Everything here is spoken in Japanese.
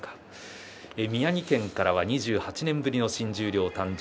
宮城県からは２８年ぶりの新十両誕生。